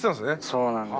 そうなんです。